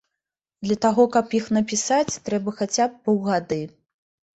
Для таго, каб іх напісаць, трэба хаця б паўгады.